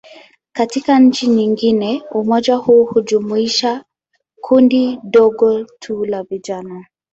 Katika nchi nyingine, umoja huu hujumuisha kundi dogo tu la vijana.